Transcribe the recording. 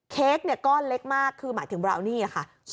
เค้กก้อนเล็กมากคือหมายถึงบราวนี่ค่ะ